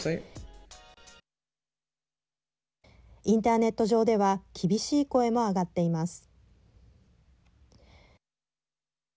インターネット上では厳しい声も上がっています。